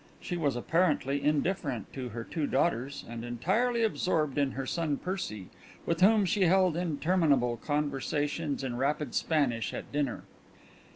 She was apparently indifferent to her two daughters, and entirely absorbed in her son Percy, with whom she held interminable conversations in rapid Spanish at dinner.